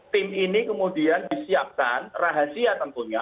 tim ini kemudian disiapkan rahasia tentunya